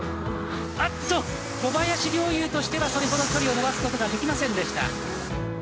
あっと小林陵侑としてはそれほど距離を伸ばすことができませんでした。